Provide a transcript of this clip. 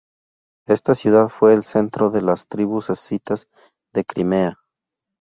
Esta ciudad fue el centro de las tribus escitas de Crimea.